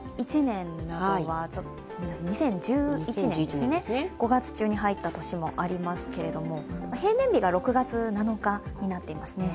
時々、２０１１年は５月中に入った場所もありますけど平年日が６月７日になっていますね。